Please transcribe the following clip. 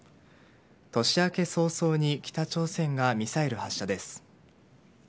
年明け早々に北朝鮮がミサイル発射です。